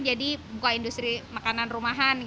jadi buka industri makanan rumahan